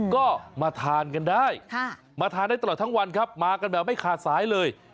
ก็มาทานกันได้มาทานได้ตลอดทั้งวันครับมากันแบบไม่ขาดสายเลย